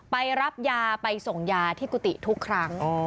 ไปรับยาไปส่งยาที่กุฏิทุกครั้ง